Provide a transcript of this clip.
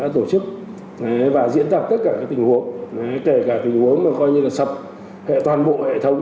tổ chức và diễn tập tất cả các tình huống kể cả tình huống mà coi như là sập toàn bộ hệ thống